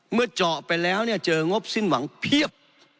เมื่อเจาะไปแล้วเจองบสิ้นหวังเพียบ